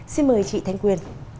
xin mời chị thanh quyền